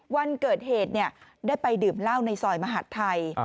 วันเกิดเหตุได้ไปดื่มเหล้าในซอยมหัฐไทย